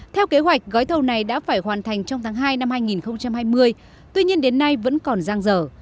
theo kế hoạch gói thầu này đã phải hoàn thành trong tháng hai năm hai nghìn hai mươi tuy nhiên đến nay vẫn còn giang dở